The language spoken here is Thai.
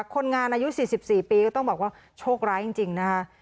คนงานอายุสี่สิบสี่ปีก็ต้องบอกว่าโชคร้ายจริงจริงนะคะ